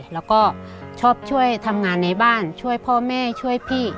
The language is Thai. แล้วก็ชอบช่วยทำงานในบ้านช่วยพ่อแม่ช่วยพี่